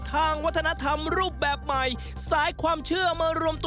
ทางวัฒนธรรมรูปแบบใหม่